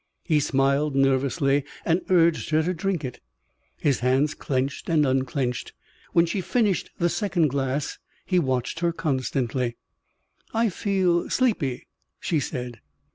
He smiled nervously and urged her to drink it. His hands clenched and unclenched. When she finished the second glass, he watched her constantly. "I feel sleepy," she said.